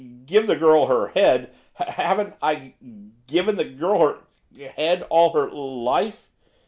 'Give the girl her head! H haven't I I g given the g girl her h head all her l life!